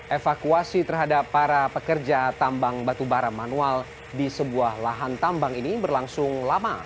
evakuasi terhadap para pekerja tambang batubara manual di sebuah lahan tambang ini berlangsung lama